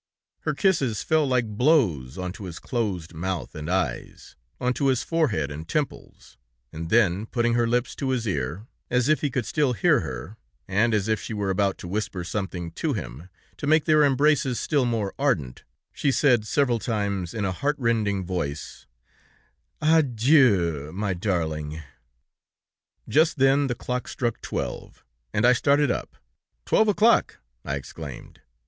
Her kisses fell like blows onto his closed mouth and eyes, onto his forehead and temples, and then, putting her lips to his ear, as if he could still hear her, and as if she were about to whisper something to him, to make their embraces still more ardent, she said several times, in a heartrending voice: 'Adieu, my darling!' "Just then the clock struck twelve, and I started up. 'Twelve o'clock!' I exclaimed.